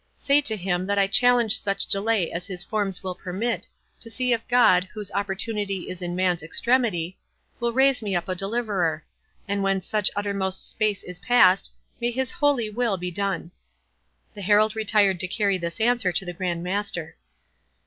Say to him, that I challenge such delay as his forms will permit, to see if God, whose opportunity is in man's extremity, will raise me up a deliverer; and when such uttermost space is passed, may His holy will be done!" The herald retired to carry this answer to the Grand Master.